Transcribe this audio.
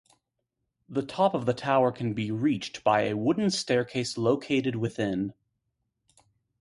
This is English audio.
The top of the tower can be reached by a wooden staircase located within.